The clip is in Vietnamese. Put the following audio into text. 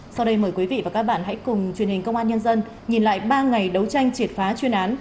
sau đây mời quý vị và các bạn hãy cùng truyền hình công an nhân dân nhìn lại ba ngày đấu tranh triệt phá chuyên án